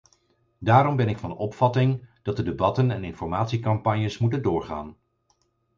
Daarom ben ik van opvatting dat de debatten en informatiecampagnes moeten doorgaan.